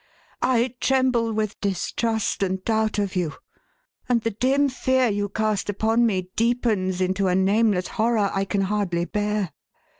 "I tremble with distrust and doubt of you ; and the dim fear you cast upon me deepens into a nameless horror I can hardly bear.